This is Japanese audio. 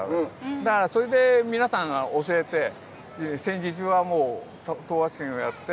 だから、それで皆さんに教えて戦時中は東八拳をやって。